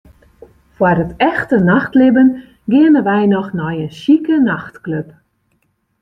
Foar it echte nachtlibben geane wy noch nei in sjike nachtklup.